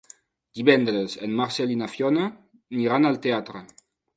Divendres en Marcel i na Fiona aniran al teatre.